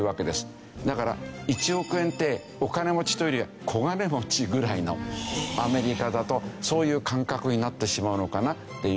だから１億円ってお金持ちというよりは小金持ちぐらいのアメリカだとそういう感覚になってしまうのかなっていう事。